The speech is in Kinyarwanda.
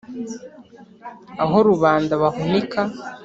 aho rubanda bahunika